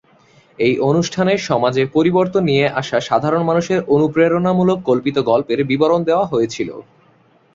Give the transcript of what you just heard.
এই অনুষ্ঠানে সমাজে পরিবর্তন নিয়ে আসা সাধারণ মানুষের অনুপ্রেরণামূলক কল্পিত গল্পের বিবরণ দেওয়া হয়েছিল।